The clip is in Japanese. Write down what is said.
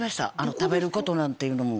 食べることなんていうのも。